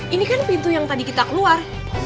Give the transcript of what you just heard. ini sebuah luar